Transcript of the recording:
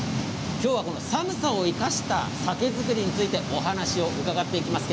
今日はこの寒さを生かした酒造りについてお話を伺っていきます。